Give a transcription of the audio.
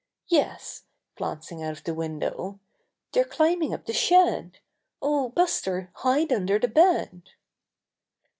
Yes," glancing out of the window, "they're climbing up the shed. Oh, Buster, hide under the bed!"